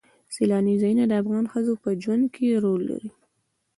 سیلاني ځایونه د افغان ښځو په ژوند کې رول لري.